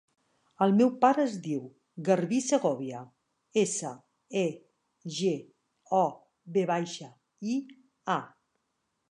El meu pare es diu Garbí Segovia: essa, e, ge, o, ve baixa, i, a.